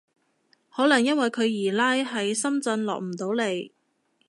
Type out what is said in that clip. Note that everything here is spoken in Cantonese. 可能因為佢二奶喺深圳落唔到嚟